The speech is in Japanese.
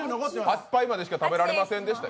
８杯までしか食べられませんした。